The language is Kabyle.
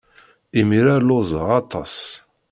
Imir-a lluẓeɣ aṭas.